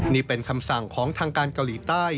นี่เป็นคำสั่งของทางการเกาหลีใต้